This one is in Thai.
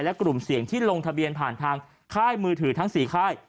และกลุ่มเสี่ยงที่ลงทะเบียนผ่านทางค่ายมือถือทั้ง๔ค่าย